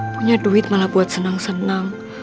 punya duit malah buat senang senang